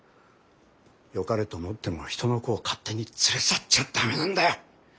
よかれと思ってもひとの子を勝手に連れ去っちゃダメなんだよ。